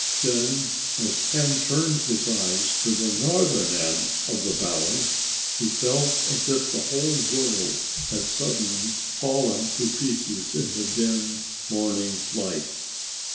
Then, as Ken turned his eyes to the northern end of the valley, he felt as if the whole world had suddenly fallen to pieces in the dim, morning light.